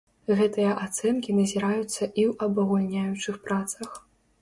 Гэтыя ацэнкі назіраюцца і ў абагульняючых працах.